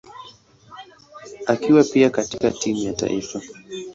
akiwa pia katika timu ya taifa.